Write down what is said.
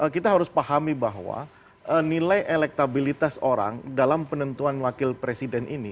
kita harus pahami bahwa nilai elektabilitas orang dalam penentuan wakil presiden ini